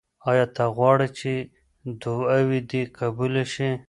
آیا ته غواړې چې دعاوې دې قبولې شي؟